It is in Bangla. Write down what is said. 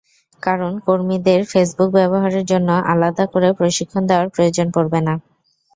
কারণ কর্মীদের ফেসবুক ব্যবহারের জন্য আলাদা করে প্রশিক্ষণ দেওয়ার প্রয়োজন পড়বে না।